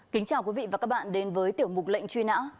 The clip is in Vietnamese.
kính chào quý vị và các bạn đến với tiểu mục lệnh truy nã